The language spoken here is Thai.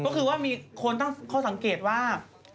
ก็คือว่ามีคนตั้งข้อสังเกตว่า